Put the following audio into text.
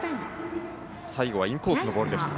最後はインコースのボールでした。